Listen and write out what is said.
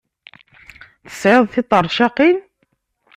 Tesɛid tiṭercaqin?